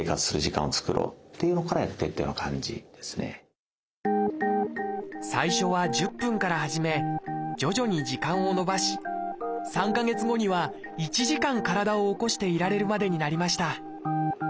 最近いろいろ調べてみると最初は１０分から始め徐々に時間を延ばし３か月後には１時間体を起こしていられるまでになりました